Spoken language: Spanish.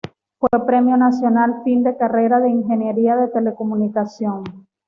Fue Premio Nacional Fin de Carrera de Ingeniería de Telecomunicación.